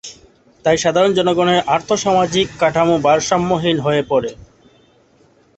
তাই সাধারণ জনগণের আর্থ-সামাজিক কাঠামো ভারসাম্যহীন হয়ে পড়ে।